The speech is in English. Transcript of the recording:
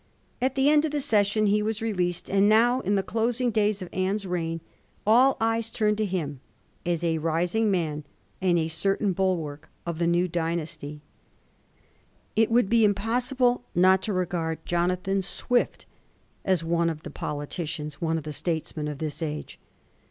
At the end of the session he was released, and now, in the closing days of Anne's reign, ^ eyes turned to him as a rising man and a certain bulwark of the new dynasty. It would be impossible not to regard Jonathan Digiti zed by Google 17U THE DEAN OF ST. PATRICKS. 45^ Swift as one of the politicians, one of the statesmen, of this age.